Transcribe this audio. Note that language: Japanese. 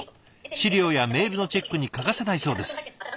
資料やメールのチェックに欠かせないそうです。